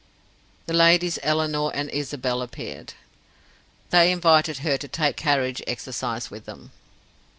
The ladies Eleanor and Isabel appeared. They invited her to take carriage exercise with them.